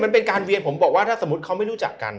มันเป็นการเวียนผมบอกว่าถ้าสมมุติเขาไม่รู้จักกัน